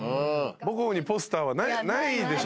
母校にポスターはないでしょ。